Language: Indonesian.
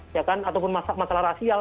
ya kan ataupun masalah rasial